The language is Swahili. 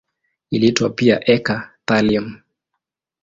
Iliitwa pia eka-thallium.